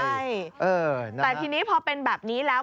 ใช่แต่ทีนี้พอเป็นแบบนี้แล้ว